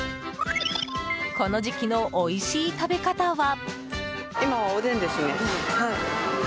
この時期のおいしい食べ方は。